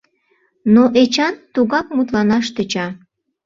Но Эчан тугак мутланаш тӧча.